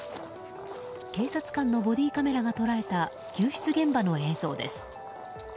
警察官のボディーカメラが捉えた救出現場の映像です。